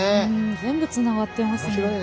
全部つながってますね。